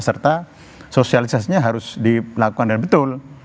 serta sosialisasinya harus dilakukan dan betul